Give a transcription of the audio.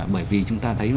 bởi vì chúng ta thấy